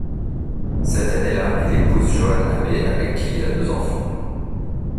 Cette année-là, il épouse Joan Abbe avec qui il a deux enfants.